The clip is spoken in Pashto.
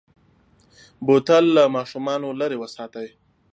بوتل له ماشومو لرې وساتئ.